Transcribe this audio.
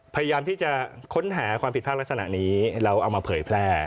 พยายามที่จะค้นหาความผิดพลาดลักษณะนี้แล้วเอามาเผยแพร่